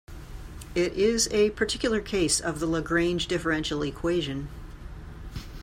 It is a particular case of the Lagrange differential equation.